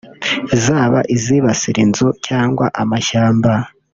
zaba izibasira inzu cyangwa amashyamba